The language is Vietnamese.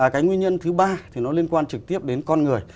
cái nguyên nhân thứ ba thì nó liên quan trực tiếp đến con người